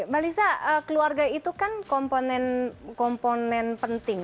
mbak lisa keluarga itu kan komponen penting